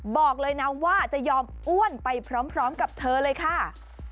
บอกเลยนะว่าจะยอมอ้วนไปพร้อมกับเธอเลยค่ะ